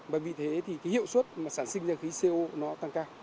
và vì thế thì cái hiệu suất mà sản sinh ra khí co nó tăng cao